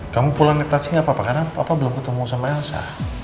kamu pulang ke taksi gak apa apa karena papa belum ketemu sama elsa